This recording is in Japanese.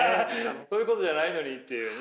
そういうことじゃないのにっていうね。